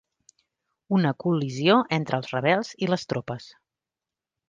Una col·lisió entre els rebels i les tropes.